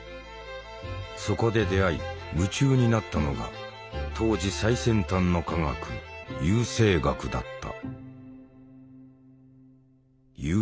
そこで出会い夢中になったのが当時最先端の科学「優生学」だった。